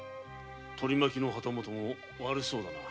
取り巻きの旗本も悪そうだな。